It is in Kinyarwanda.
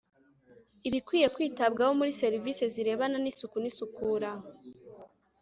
ibikwiye kwitabwaho muri serivisi zirebana n' isuku n' isukura